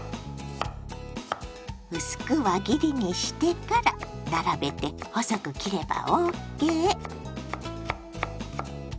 薄く輪切りにしてから並べて細く切ればＯＫ。